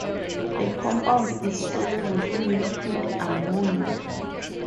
The compound is soluble in liquid ammonia.